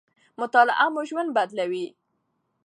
مطالعه مو ژوند بدلوي.